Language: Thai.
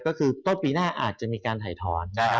ก็คือต้นปีหน้าอาจจะมีการถ่ายถอนนะครับ